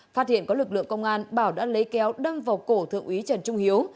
phát hiện có lực lượng công an bảo đã lấy kéo đâm vào cổ thượng úy trần trung hiếu